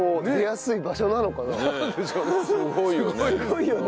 すごいよね。